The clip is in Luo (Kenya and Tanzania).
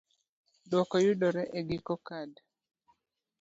Dwoko yudore e giko kad.